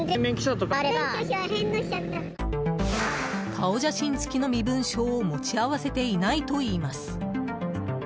顔写真付きの身分証を持ち合わせていないといいます。